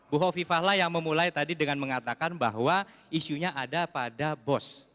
bu hovifahlah yang memulai tadi dengan mengatakan bahwa isunya ada pada bos